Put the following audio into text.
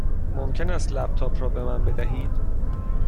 ممکن است لپ تاپ را به من بدهید؟